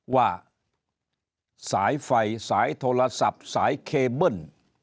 ว่าสายไฟสายโทรศัพท์สายเคเบิ้ล